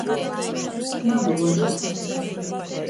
Na duorgi.